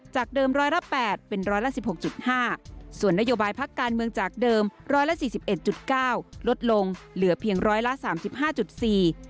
จากเดิมร้อยละแปดเป็นร้อยละสิบหกจุดห้าส่วนนโยบายพักการเมืองจากเดิมร้อยละสี่สิบเอ็ดจุดเก้าลดลงเหลือเพียงร้อยละสามสิบห้าจุดสี่